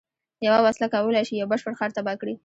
یوه وسله کولای شي یو بشپړ ښار تباه کړي